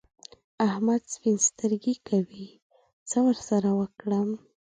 احمد سپين سترګي کوي؛ څه ور سره وکړم؟!